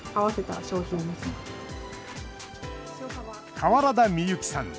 川原田美雪さん。